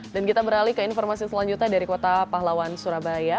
dan kita beralih ke informasi selanjutnya dari kota pahlawan surabaya